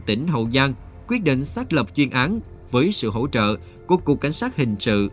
tỉnh hậu giang quyết định xác lập chuyên án với sự hỗ trợ của cục cảnh sát hình sự